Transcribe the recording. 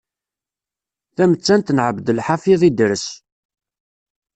Tamettant n Ɛebdelḥafiḍ Idres.